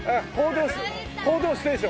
『報道ステーション』。